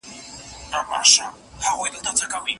بيله شکه هغه عليم او قدير دی.